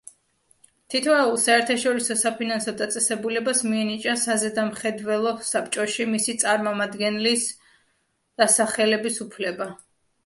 თითოეულ საერთაშორისო საფინანსო დაწესებულებას მიენიჭა საზედამხედველო საბჭოში მისი წარმომადგენლის დასახელების უფლება.